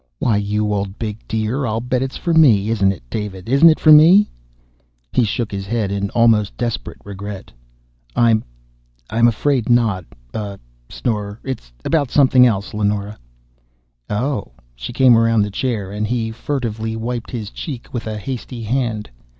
"Why, you old big dear! I'll bet it's for me. Isn't it, David? Isn't it for me?" He shook his head in almost desperate regret. "I'm ... I'm afraid not, uh " Snorer. "It's about something else, Leonora." "Oh." She came around the chair, and he furtively wiped his cheek with a hasty hand.